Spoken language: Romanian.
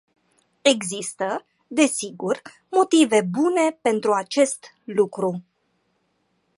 Există, desigur, motive bune pentru acest lucru.